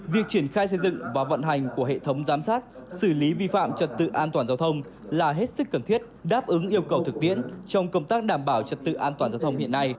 việc triển khai xây dựng và vận hành của hệ thống giám sát xử lý vi phạm trật tự an toàn giao thông là hết sức cần thiết đáp ứng yêu cầu thực tiễn trong công tác đảm bảo trật tự an toàn giao thông hiện nay